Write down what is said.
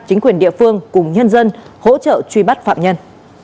chính quyền địa phương cùng nhân dân hỗ trợ truy bắt phạm nhân